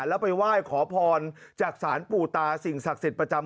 แล้วไปไหว้ห้อนขอพรจากสารปูตาสิ่งศักดิ์ศิษย์ประจำ